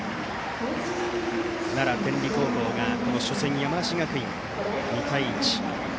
奈良・天理高校が初戦山梨学院に２対１。